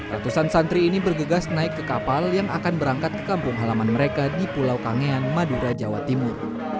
ratusan santri ini bergegas naik ke kapal yang akan berangkat ke kampung halaman mereka di pulau kangean madura jawa timur